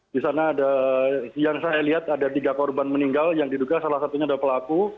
di sana ada yang saya lihat ada tiga korban meninggal yang diduga salah satunya adalah pelaku